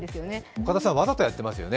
岡田さん、わざとやってますよね。